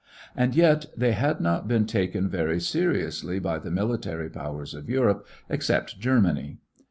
And yet they had not been taken very seriously by the military powers of Europe, except Germany.